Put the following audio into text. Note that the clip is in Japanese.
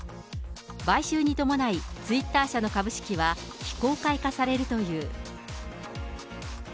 買収に伴い、ツイッター社の株式は非公開化されるという。